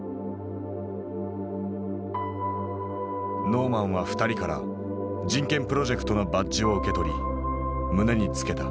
ノーマンは２人から人権プロジェクトのバッジを受け取り胸に付けた。